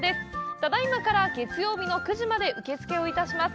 ただいまから月曜日の９時まで受け付けをいたします。